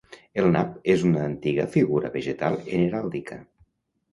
El nap és una antiga figura vegetal en heràldica.